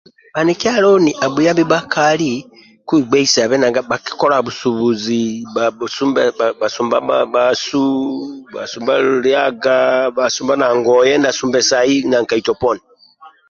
Bhanikya loni abhuyambi bhakali kwebheisabe nanga bhakikolaga busubuzi basumba bhasu basumba liaga basumba na ngoye na sumbesai na nkaito poni